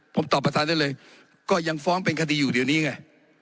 ผมตอบประธานได้เลยก็ยังฟ้องเป็นคดีอยู่เดี๋ยวนี้ไง